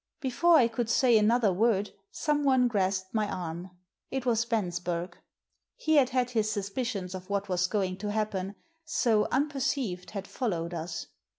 Before I could say another word someone grasped my arm. It was Bensberg. He had had his sus picions of what was going to happen, so, unperceived, had followed us.